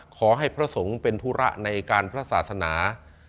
พระสงฆ์เป็นธุระในการพระศาสนา